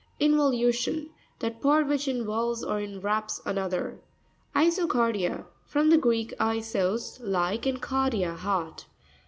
Invoxvu'tion.—That part which in volves or inwraps another. Iso'carpia.—From the Greek, isos, like, and kardia, heart.